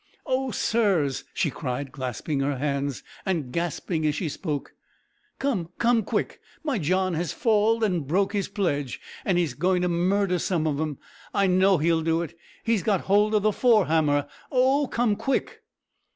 "O sirs!" she cried, clasping her hands, and gasping as she spoke, "come, come quick, my John has falled an' broke his pledge, an' he's goin' to murder some of 'em. I know he'll do it; he's got hold o' the fore hammer. Oh! come quick!"